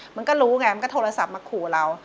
มันก็รู้ไงมันก็โทรศัพท์มาขู่เรา